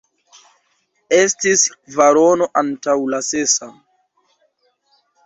Estis kvarono antaŭ la sesa.